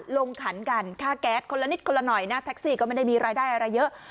ขันกันค่าแก๊สคนละนิดคนละหน่อยนะแท็กซี่ก็ไม่ได้มีรายได้อะไรเยอะ